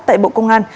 tại bộ công an